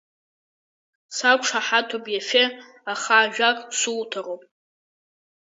Сақәшаҳаҭуп, Ефе, аха ажәак суҭароуп.